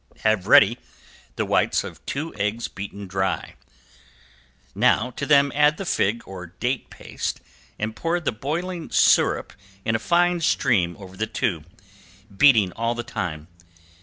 Have ready the whites of two eggs beaten dry, now to them add the fig or date paste and pour the boiling syrup in a fine stream over the two, beating all the time.